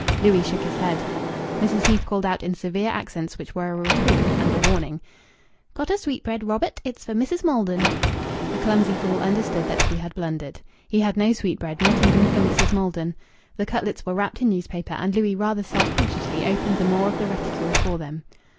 Louis shook his head. Mrs. Heath called out in severe accents which were a reproof and a warning: "Got a sweetbread, Robert? It's for Mrs. Maldon." The clumsy fool understood that he had blundered. He had no sweetbread not even for Mrs. Maldon. The cutlets were wrapped in newspaper, and Louis rather self consciously opened the maw of the reticule for them.